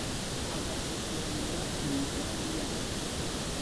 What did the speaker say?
agasesengura imigambi yanyu